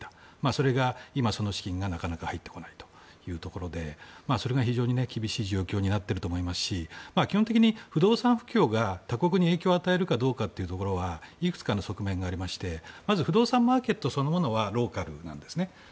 それが今、その資金がなかなか入ってこなくて厳しい状況になっていると思いますし基本的に不動産不況が他国に影響を与えるかというのはいくつかの側面がありましてまず不動産マーケットそのものはローカルですね。